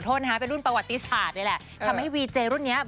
ทำให้รุ่นนี้